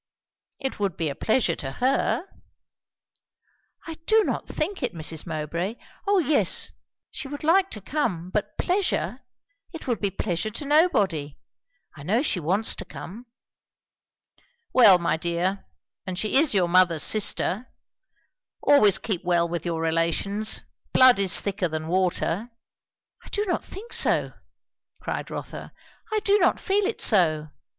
"It would be a pleasure to her." "I do not think it, Mrs. Mowbray! O yes, she would like to come; but pleasure it would be pleasure to nobody. I know she wants to come." "Well, my dear, and she is your mother's sister. Always keep well with your relations. Blood is thicker than water." "I do not think so!" cried Rotha. "I do not feel it so.